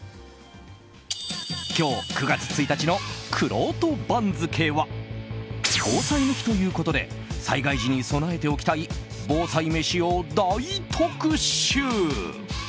今日９月１日のくろうと番付は防災の日ということで災害時に備えておきたい防災メシを大特集。